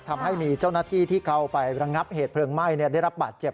ทำให้มีเจ้าหน้าที่ที่เข้าไประงับเหตุเพลิงไหม้ได้รับบาดเจ็บ